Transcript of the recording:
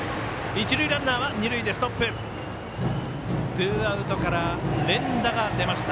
ツーアウトから連打が出ました。